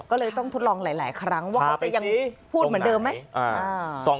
ก็เลยต้องทดลองหลายครั้งว่าเขาจะยังพูดเหมือนเดิมไหม